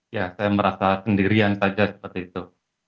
ya saya merasa sendirian saja seperti itu